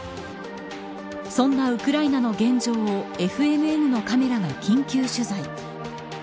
そんなウクライナの現状をＦＮＮのカメラが緊急取材。